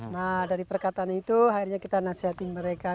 nah dari perkataan itu akhirnya kita nasihati mereka